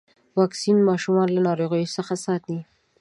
واکسین ماشومان له ناروغيو څخه ساتي.